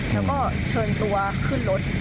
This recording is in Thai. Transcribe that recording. แล้วก็เชิญตัวขึ้นรถ